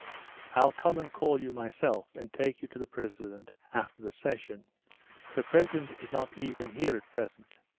"I'll come and call you myself, and take you to the president after the session. The president is not even here at present.